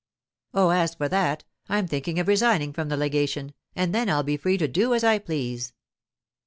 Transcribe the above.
'Oh, as for that, I'm thinking of resigning from the legation, and then I'll be free to do as I please.